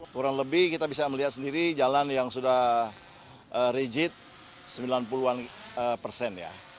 kurang lebih kita bisa melihat sendiri jalan yang sudah rigid sembilan puluh an persen ya